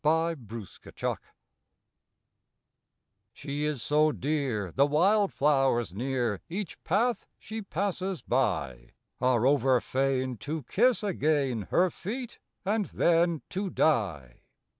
INDIFFERENCE She is so dear the wildflowers near Each path she passes by, Are over fain to kiss again Her feet and then to die.